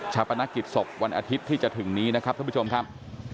ปนักกิจศพวันอาทิตย์ที่จะถึงนี้นะครับท่านผู้ชมครับ